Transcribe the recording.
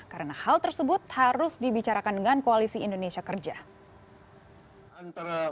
karena hal tersebut harus dibicarakan dengan koalisi indonesia kerja